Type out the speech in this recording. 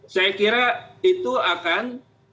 saya kira itu akan